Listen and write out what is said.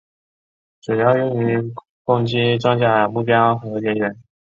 主要用于攻击装甲目标和人员。